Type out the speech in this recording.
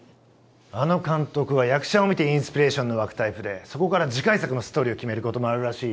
あの監督は役者を見てインスピレーションの湧くタイプでそこから次回作のストーリーを決めることもあるらしい。